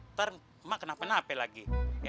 ntar mak kenapa napa lagi